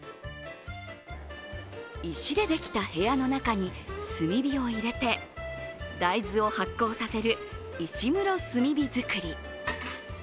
石でできた部屋の中に炭火を入れて大豆を発酵させる石室炭火造り。